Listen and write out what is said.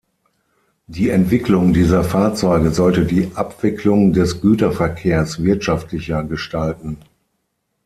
Die Entwicklung dieser Fahrzeuge sollte die Abwicklung des Güterverkehrs wirtschaftlicher gestalten.